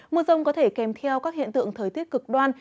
mưa rông có thể kèm theo các hiện tượng thời tiết cực đoan